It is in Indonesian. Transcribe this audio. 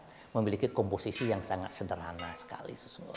rejang itu tentu saja memiliki komposisi yang sangat sederhana sekali